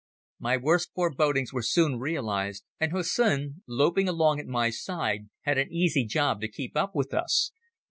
My worst forebodings were soon realized, and Hussin, loping along at my side, had an easy job to keep up with us.